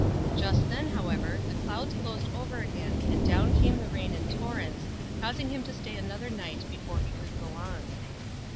Just then, however, the clouds closed over again, and down came the rain in torrents, causing him to stay another night before he could go on.